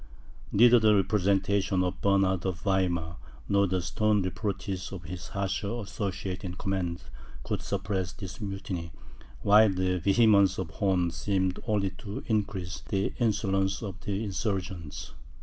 Neither the representations of Bernard of Weimar, nor the stern reproaches of his harsher associate in command, could suppress this mutiny, while the vehemence of Horn seemed only to increase the insolence of the insurgents.